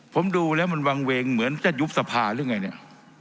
ผมดูแล้วมันวางเวงเหมือนจะยุบสภาหรือไงเนี่ย